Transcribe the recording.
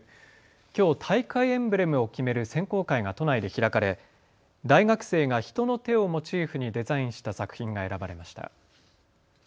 きょう大会エンブレムを決める選考会が都内で開かれ大学生が人の手をモチーフにデザインした作品が選ばれました。